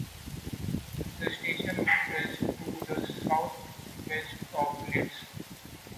The station is to the south west of Leeds.